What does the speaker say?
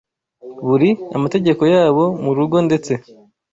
buri, amategeko yabo mu rugo ndetse